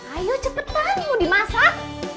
ayo cepetan mau dimasak